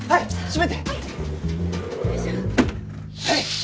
はい！